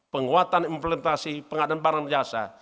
penguatan implementasi pengadaan barang dan jasa